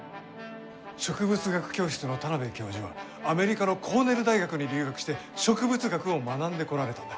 植物学教室の田邊教授はアメリカのコーネル大学に留学して植物学を学んでこられたんだ。